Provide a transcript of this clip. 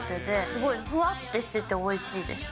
すごいふわっとしてて、おいしいです。